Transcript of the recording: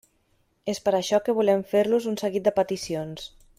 És per això que volem fer-los un seguit de peticions.